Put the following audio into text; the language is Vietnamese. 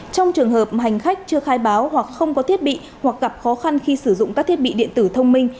trong trường hợp hành khách chưa khai báo hoặc không có thiết bị hoặc gặp khó khăn khi sử dụng các thiết bị điện tử thông minh